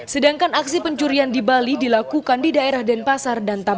sedangkan aksi pencurian di bali dilakukan di daerah dan tempat lainnya